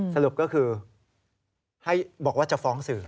สรุปก็คือให้บอกว่าจะฟ้องสื่อ